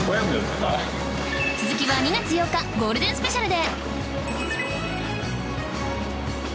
続きは２月８日ゴールデンスペシャルで